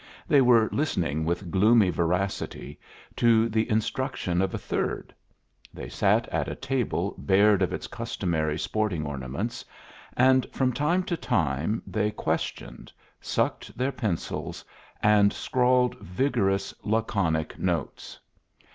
They were listening with gloomy voracity to the instruction of a third. They sat at a table bared of its customary sporting ornaments, and from time to time they questioned, sucked their pencils, and scrawled vigorous, laconic notes.